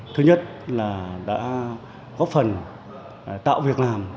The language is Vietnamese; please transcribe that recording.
thứ nhất là đã góp phần tạo việc làm